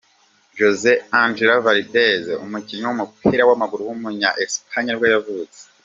Jose Angel Valdes, umukinnyi w’umupira w’amaguru w’umunya Espagne nibwo yavutse.